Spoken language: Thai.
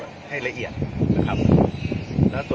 ถ้าไม่ได้ขออนุญาตมันคือจะมีโทษ